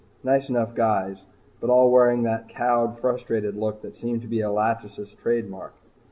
Nice enough guys, but all wearing that cowed, frustrated look that seemed to be a "Lachesis" trademark.